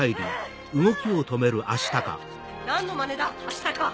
何のまねだアシタカ！